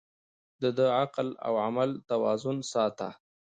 ده د عقل او عمل توازن ساته.